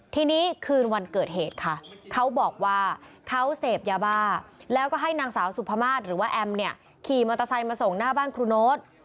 ทีนี้คืนวันเกิดเหตุค่ะเขาบอกว่าเขาเสพยาบ้าแล้วก็ให้นางสาวสุภามาศหรือว่าแอมเนี่ยขี่มอเตอร์ไซค์มาส่งหน้าบ้านครูโน๊ต